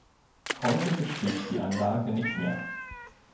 Heute besteht die Anlage nicht mehr.